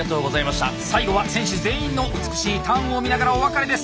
最後は選手全員の美しいターンを見ながらお別れです。